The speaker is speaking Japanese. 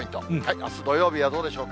あす土曜日はどうでしょうか。